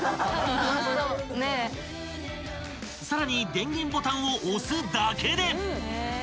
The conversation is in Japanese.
［さらに電源ボタンを押すだけで］